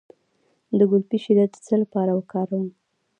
د ګلپي شیره د څه لپاره وکاروم؟